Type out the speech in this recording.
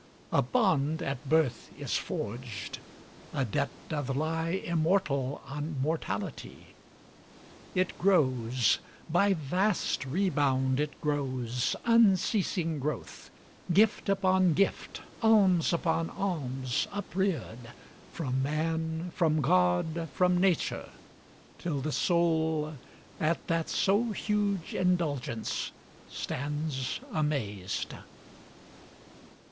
A bond at birth is forged; a debt doth lie Immortal on mortality. It grows— By vast rebound it grows, unceasing growth; Gift upon gift, alms upon alms, upreared, From man, from God, from nature, till the soul At that so huge indulgence stands amazed.